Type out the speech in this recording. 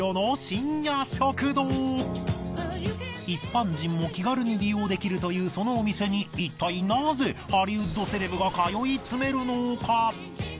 一般人も気軽に利用できるというそのお店にいったいなぜハリウッドセレブが通い詰めるのか。